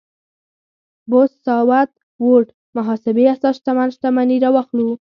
بوث ساوت ووډ محاسبې اساس شتمن شتمني راواخلو.